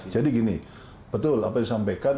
jadi gini betul apa yang disampaikan